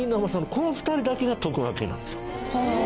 この２人だけが徳川系なんですよ。